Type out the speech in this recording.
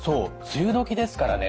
梅雨時ですからね